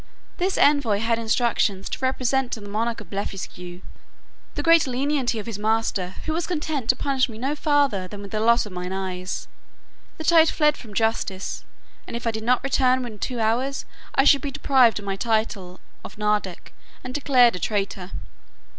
This envoy had instructions to represent to the monarch of Blefuscu, "the great lenity of his master, who was content to punish me no farther than with the loss of my eyes; that I had fled from justice; and if I did not return in two hours, I should be deprived of my title of nardac, and declared a traitor."